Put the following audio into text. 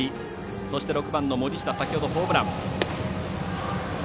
そして、６番の森下先ほど、ホームラン。